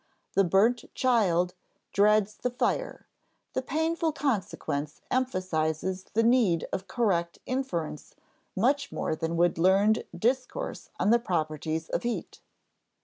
The burnt child dreads the fire; the painful consequence emphasizes the need of correct inference much more than would learned discourse on the properties of heat.